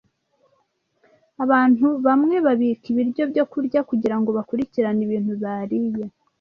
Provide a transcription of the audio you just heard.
Abantu bamwe babika ibiryo byokurya kugirango bakurikirane ibintu bariye.